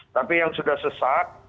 tapi yang sudah sesat